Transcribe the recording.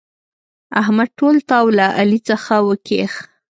احمد ټول تاو له علي څخه وکيښ.